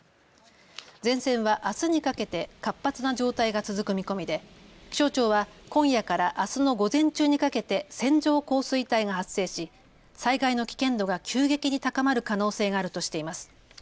前線はあすにかけて活発な状態が続く見込みで気象庁は今夜からあすの午前中にかけて線状降水帯が発生し災害の危険度が急激に高まる可能性があるとしています。